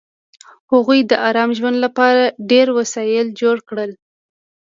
هغوی د ارام ژوند لپاره ډېر وسایل جوړ کړل